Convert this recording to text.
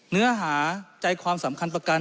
เนื้อหาใจความสำคัญประกัน